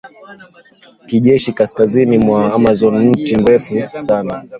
kijeshi kaskazini mwa Amazon Mti Mrefu Sana